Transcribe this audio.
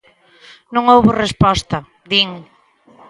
"Non houbo resposta", din.